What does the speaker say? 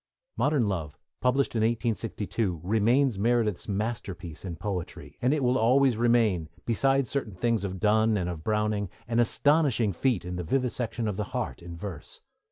Modern Love, published in 1862, remains Meredith's masterpiece in poetry, and it will always remain, beside certain things of Donne and of Browning, an astonishing feat in the vivisection of the heart in verse.